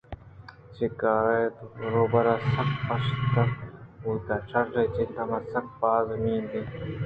چرے کارءَ روباہ سکّ پَشَل بُوتءُ شیرءِ جند ہم سکّ باز نااُمّیت اَت